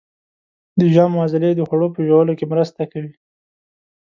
د ژامو عضلې د خوړو په ژوولو کې مرسته کوي.